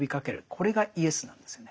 これがイエスなんですよね。